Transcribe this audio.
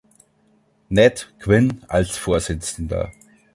„Ned“ Quinn als Vorsitzender.